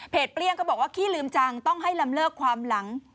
เปรี้ยงก็บอกว่าขี้ลืมจังต้องให้ลำเลิกความหลัง